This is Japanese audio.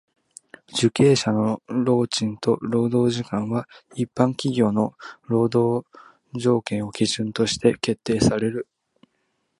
受刑者の労賃と労働時間は一般企業の労働条件を基準として決定される。